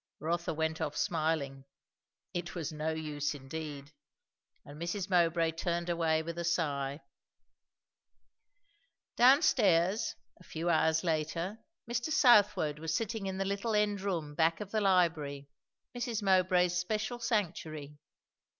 Rotha went off smiling. It was no use indeed! And Mrs. Mowbray turned away with a sigh. Down stairs, a few hours later, Mr. Southwode was sitting in the little end room back of the library Mrs. Mowbray's special sanctuary.